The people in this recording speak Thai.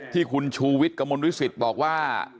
ที่คุณชูวิทย์กระมวลวิสิตบอกว่า